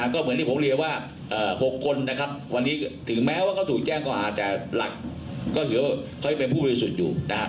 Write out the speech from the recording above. ก็เหมือนที่ผมเรียนว่า๖คนนะครับวันนี้ถึงแม้ว่าเขาถูกแจ้งข้อหาแต่หลักก็ถือว่าเขายังเป็นผู้บริสุทธิ์อยู่นะฮะ